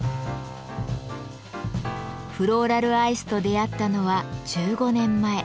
フローラルアイスと出会ったのは１５年前。